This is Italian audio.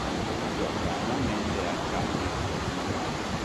Si gioca annualmente a Charkiv in Ucraina.